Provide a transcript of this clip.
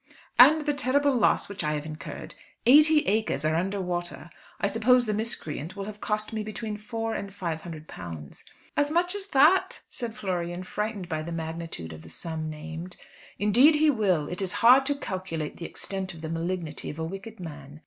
"And the terrible loss which I have incurred! Eighty acres are under water. I suppose the miscreant will have cost me between £400 and £500." "As much as that?" said Florian, frightened by the magnitude of the sum named. "Indeed he will. It is hard to calculate the extent of the malignity of a wicked man.